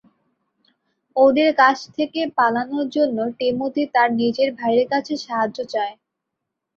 ওদের কাছ থেকে পালানোর জন্য টিমোথি তার নিজের ভাইয়ের কাছে সাহায্য চায়।